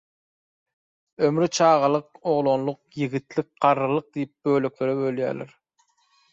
Ömri «çagalyk», «oglanlyk», «ýigitlik», «garrylyk» diýip böleklere bölýäler.